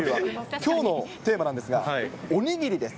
きょうのテーマなんですが、お握りです。